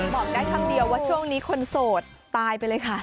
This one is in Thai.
บอกได้คำเดียวว่าช่วงนี้คนโสดตายไปเลยค่ะ